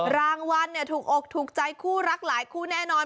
รางวัลถูกอกถูกใจคู่รักหลายคู่แน่นอน